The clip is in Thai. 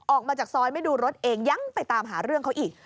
ออกมาจากซอยไม่ดูรถเองยังไปตามหาเรื่องเขาอีก